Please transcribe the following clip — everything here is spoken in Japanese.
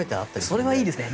それはいいですね。